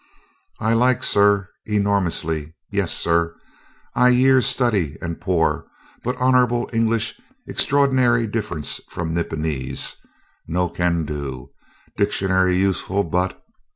"I like, sir, enormously, yes, sir. I years study and pore, but honorable English extraordinary difference from Nipponese no can do. Dictionary useful but